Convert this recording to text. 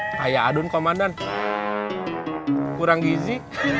kayak adun komandan kurang gizi